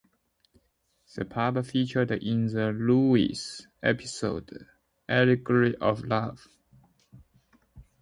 The pub featured in the "Lewis" episode "Allegory of Love".